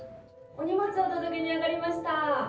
・お荷物お届けに上がりました！